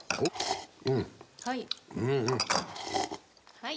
はい。